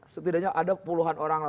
setidaknya ada puluhan orang